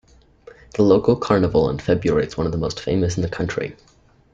The local Carnival in February is one of the most famous in the country.